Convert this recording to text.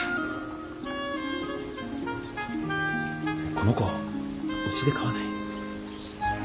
この子うちで飼わない？